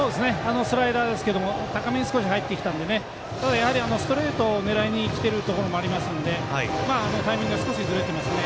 スライダー高めに入ってきたのでやはり、ストレートを狙いにきてるところもありますのでタイミングが少しずれてますね。